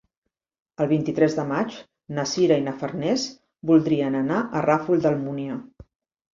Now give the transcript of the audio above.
El vint-i-tres de maig na Sira i na Farners voldrien anar al Ràfol d'Almúnia.